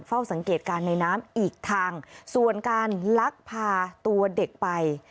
เฝ้าสังเกตการณ์ในน้ำอีกทางส่วนการลักพาตัวเด็กไป